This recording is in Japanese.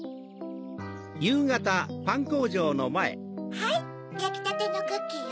はいやきたてのクッキーよ。